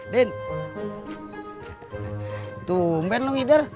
din tumpen lu ngider